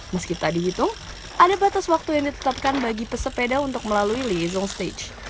meski tadi hitung ada batas waktu yang ditetapkan bagi pesepeda untuk melalui liaison stage